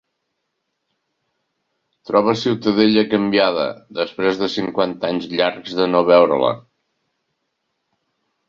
Troba Ciutadella canviada, després de cinquanta anys llargs de no veure-la.